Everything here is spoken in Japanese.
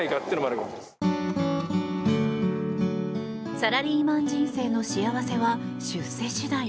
サラリーマン人生の幸せは出世次第。